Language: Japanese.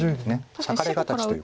裂かれ形という。